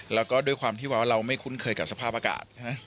แล้วก็ด้วยความที่ว่าเราไม่คุ้นเคยกับสภาพอากาศใช่ไหม